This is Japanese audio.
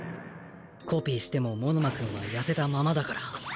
コピーしても物間くんは痩せたままだから